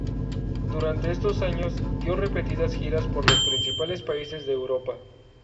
Durante estos años, dio repetidas giras por los principales países de Europa.